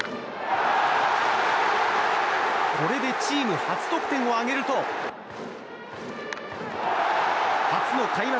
これでチーム初得点を挙げると初の開幕